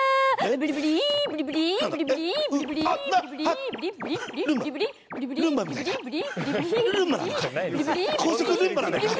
ブリブリブリ。